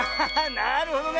なるほどね。